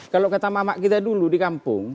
kalau kata mama kita dulu di kampung